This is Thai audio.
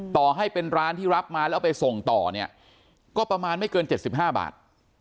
ต่อให้เป็นร้านที่รับมาแล้วไปส่งต่อเนี่ยก็ประมาณไม่เกิน๗๕บาท